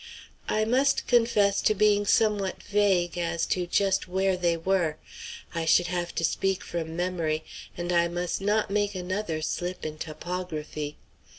I must confess to being somewhat vague as to just where they were. I should have to speak from memory, and I must not make another slip in topography.